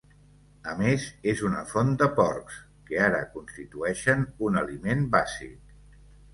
A més, és una font de porcs, que ara constitueixen un aliment bàsic.